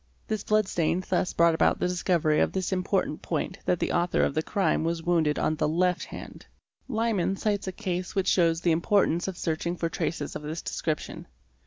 This blood stain thus brought about the discovery of this important point that the author of the crime was wounded on the left hand. Liman cites a case which shows the importance of searching for traces of this description.